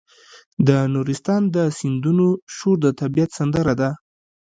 د نورستان د سیندونو شور د طبیعت سندره ده.